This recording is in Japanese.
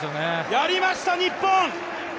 やりました日本！